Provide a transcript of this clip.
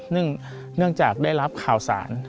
เนื่องจากได้รับข่าวสาร